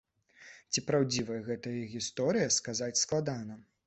Ці праўдзівая гэтая гісторыя, сказаць складана.